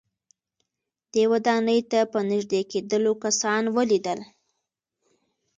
دې ودانۍ ته په نږدې کېدلو کسان وليدل.